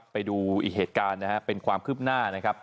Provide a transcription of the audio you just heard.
ไปดูอีกเหตุการณ์นะครับเป็นความคืบหน้านะครับ